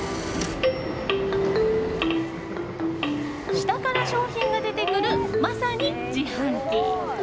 下から商品が出てくるまさに自販機。